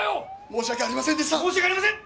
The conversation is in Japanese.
申し訳ありません！